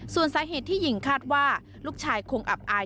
ส่วนสาเหตุที่ยิงคาดว่าลูกชายคงอับอาย